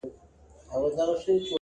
نن په څشي تودوې ساړه رګونه!.